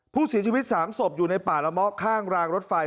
ผู้เสียชีวิต๓ศพอยู่ในป่าละเมาะข้างรางรถไฟ